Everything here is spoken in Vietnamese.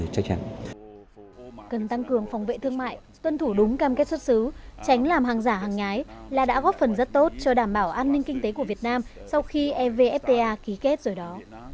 cần tăng cường phòng vệ thương mại tuân thủ đúng cam kết xuất xứ tránh làm hàng giả hàng nhái là đã góp phần rất tốt cho đảm bảo an ninh kinh tế của việt nam sau khi evfta ký kết rồi đó